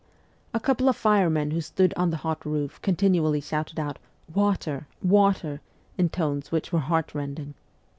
A couple of firemen who stood on the hot roof continually shouted out, ' Water ! Water !' in tones which were heartrending.